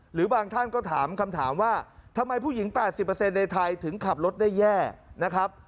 หรือบางท่านก็ถามคำถามว่าทำไมผู้หญิง๘๐ในไทยถึงขับรถได้แย่นะครับ